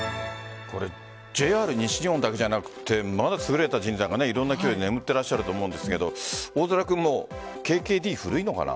ＪＲ西日本だけじゃなくて優れた人材が眠ってらっしゃると思うんですけど大空君、もうＫＫＤ古いのかな？